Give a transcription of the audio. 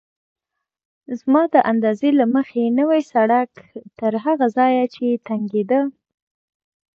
زما د اندازې له مخې نوی سړک تر هغه ځایه چې تنګېده.